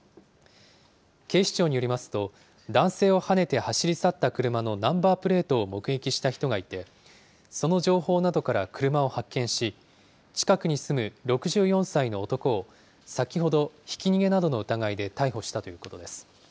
警視庁によりますと、男性をはねて走り去った車のナンバープレートを目撃した人がいて、その情報などから車を発見し、近くに住む６４歳の男を先ほど、ひき逃げなどの疑いで逮捕したということです。